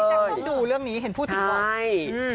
พี่แจ้งต้องดูเรื่องนี้เห็นพูดถึงเหรอ